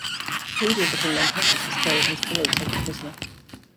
The leader of the king-men, Pachus, was killed and his followers were taken prisoner.